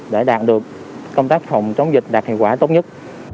để đạt được công tác phòng chống dịch đạt hiệu quả tốt nhất